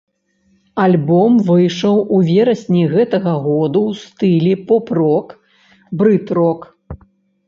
Альбом выйшаў у верасні гэтага году ў стылі поп-рок, брыт-рок.